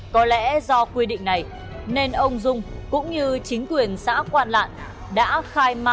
có lẽ do quy định này nên ông dung cũng như chính quyền xã quản lạn đã khai man để đưa tên đứa con trai của ông dung